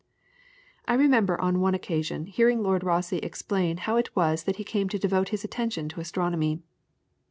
I remember on one occasion hearing Lord Rosse explain how it was that he came to devote his attention to astronomy.